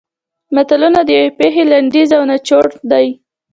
متلونه د یوې پېښې لنډیز او نچوړ دي